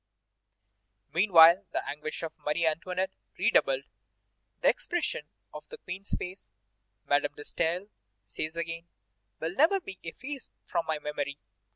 Meanwhile the anguish of Marie Antoinette redoubled. "The expression of the Queen's face," Madame de Staël says again, "will never be effaced from my memory.